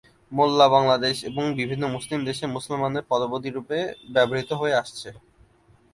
মোল্লা বাংলাদেশ এবং বিভিন্ন মুসলিম দেশে মুসলমানদের পদবী রুপে ব্যবহৃত হয়ে আসছে।